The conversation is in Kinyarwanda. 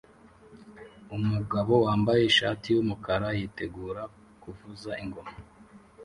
Umugabo wambaye ishati yumukara yitegura kuvuza ingoma